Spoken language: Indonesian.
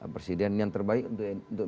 presiden yang terbaik untuk